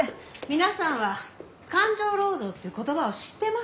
皆さんは感情労働っていう言葉を知ってますか？